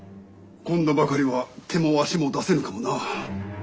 今度ばかりは手も足も出せぬかもな。